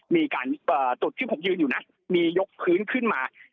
จุดที่ผมยืนอยู่นะมียกพื้นขึ้นมา